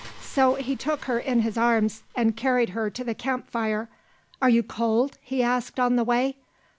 So he took her in his arms and carried her to the camp fire. "Are you cold?" he asked on the way.